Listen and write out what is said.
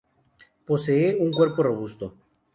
Posee un cuerpo robusto.